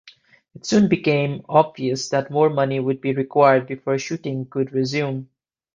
It soon became obvious that more money would be required before shooting could resume.